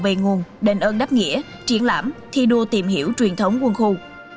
về nguồn đền ơn đáp nghĩa triển lãm thi đua tìm hiểu truyền thống quân khu